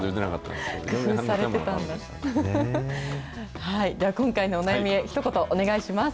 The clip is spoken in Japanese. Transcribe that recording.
では今回のお悩みへ、ひと言お願いします。